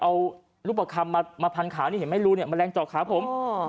เอานรูปคลับขามมาพันก์ขานี่เห็นไม่รู้เนี่ยแมลงเจาะขาผม